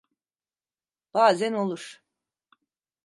Bazen olur.